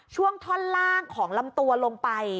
ช่วงท่อนล่างของลำตัวลงไป